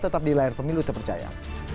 tetap di layar pemilu terpercaya